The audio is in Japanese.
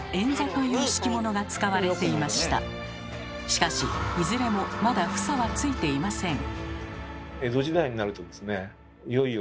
しかしいずれもまだ房はついていません。